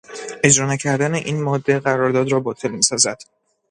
اجرا نکردن این ماده قرارداد را باطل میسازد.